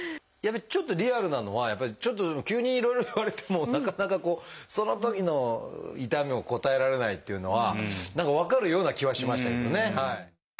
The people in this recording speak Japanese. やっぱりちょっとリアルなのはちょっと急にいろいろ言われてもなかなかこうそのときの痛みを答えられないっていうのは何か分かるような気はしましたけどね。